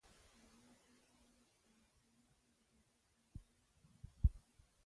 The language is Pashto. د بانک کارکوونکي د فساد په مخنیوي کې مرسته کوي.